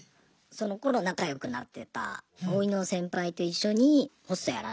そのころ仲良くなってたボーイの先輩と一緒にホストやらない？って言われて。